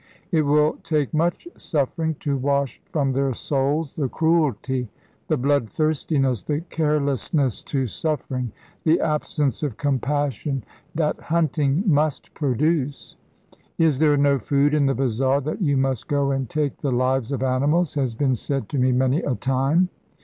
It will take much suffering to wash from their souls the cruelty, the blood thirstiness, the carelessness to suffering, the absence of compassion, that hunting must produce. 'Is there no food in the bazaar, that you must go and take the lives of animals?' has been said to me many a time.